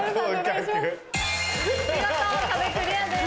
見事壁クリアです。